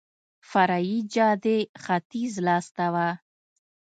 فرعي جادې ختیځ لاس ته وه.